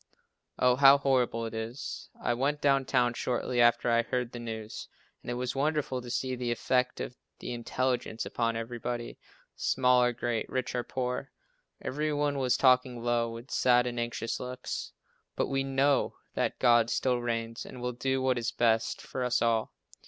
Oh, how horrible it is! I went down town shortly after I heard the news, and it was wonderful to see the effect of the intelligence upon everybody, small or great, rich or poor. Every one was talking low, with sad and anxious looks. But we know that God still reigns and will do what is best for us all.